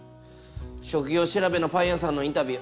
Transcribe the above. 職業調べのパン屋さんのインタビュー